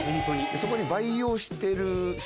そこに培養してるした。